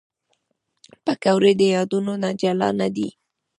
پکورې د یادونو نه جلا نه دي